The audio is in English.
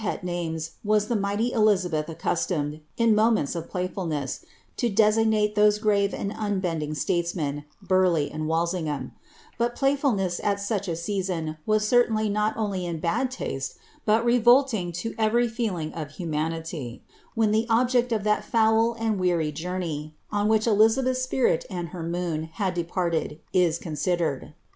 '^' By Ute sboTr names was ihe mighty Elizabeth accustoiueii, in momenU of plav ness, lo deaigoale those grave and unbending slalesmen, Borleigli Walsingbam ; hut playfulness at such a season was cerlainly not i in bad taste, but revolting lo every I'eehn^ of humanity, when (he oi of that foul and weary journey, on which Eliiabelb'a Spirit ami 5Ioon had departed, ie considcrcil.